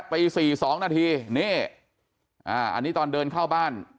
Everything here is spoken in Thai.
ปี๔๒นาทีนี่อันนี้ตอนเดินเข้าบ้าน